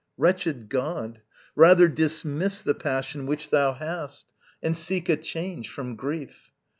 Wretched god, Rather dismiss the passion which thou hast, And seek a change from grief.